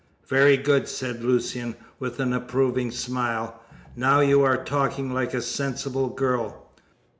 "Very good," said Lucian, with an approving smile, "now you are talking like a sensible girl."